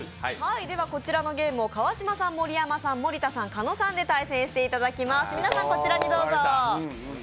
こちらのゲームを川島さん、盛山さん、森田さん、狩野さんで対決していただきます。